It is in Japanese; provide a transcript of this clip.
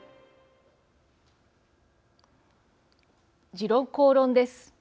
「時論公論」です。